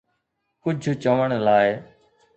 ڪجهه چوڻ لاءِ